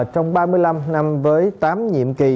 trong ba mươi năm năm với tám nhiệm kỳ